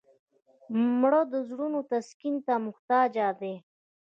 مړه د زړونو تسکین ته محتاجه ده